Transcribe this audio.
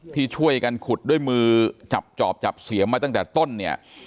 ที่ช่วยกันขุดด้วยมือจับจอบจับเสียมมาตั้งแต่ต้นเนี่ย